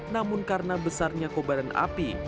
namun karena besarnya kobaran api